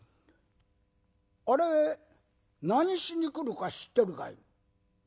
あれ何しに来るか知ってるかい？